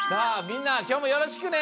みんなきょうもよろしくね！